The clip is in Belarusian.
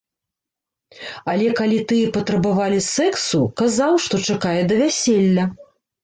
Але калі тыя патрабавалі сексу, казаў, што чакае да вяселля.